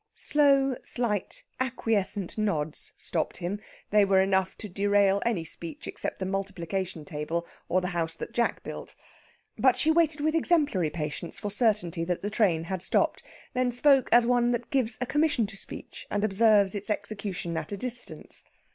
Slow, slight, acquiescent nods stopped him; they were enough to derail any speech except the multiplication table or the House that Jack built! But she waited with exemplary patience for certainty that the train had stopped. Then spoke as one that gives a commission to speech, and observes its execution at a distance.